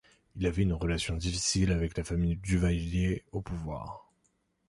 Il avait une relation difficile avec la famille Duvalier au pouvoir.